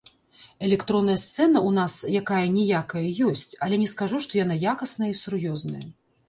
Электронная сцэна ў нас, якая-ніякая, ёсць, але не скажу, што яна якасная і сур'ёзная.